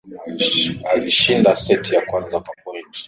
alishinda seti ya kwanza kwa pointi